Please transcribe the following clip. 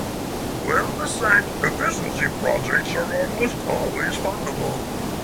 Well-designed efficiency projects are almost always fundable.